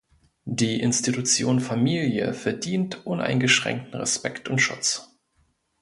Die Institution "Familie" verdient uneingeschränkten Respekt und Schutz.